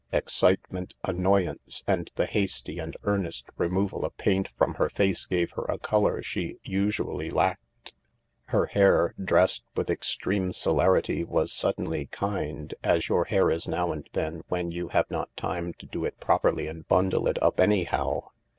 Excitement, annoyance, and the hasty and earnest •removal of paint from her face gave her a colour she usually lacked. Her hair, dressed withextreme celerity, was suddenly kind, as your hair is now and then when you have not time to do it properly and bundle it up anyhow.